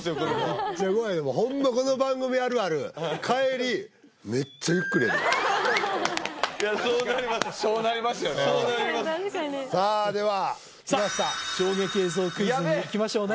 めっちゃ怖いホンマそうなりますそうなりますよねさあではきました衝撃映像クイズにいきましょうね